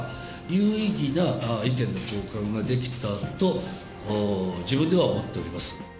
有意義な意見の交換ができたと、自分では思っております。